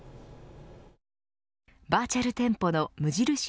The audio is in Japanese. バーチャル店舗の無印